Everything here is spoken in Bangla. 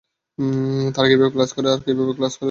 তারা কীভাবে ক্লাস করে, আমরা কীভাবে ক্লাস করি দেখলে খারাপ লাগে।